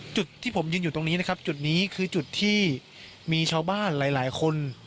จุดที่ผมยืนอยู่ตรงนี้นะครับจุดนี้คือจุดที่มีชาวบ้านหลายคน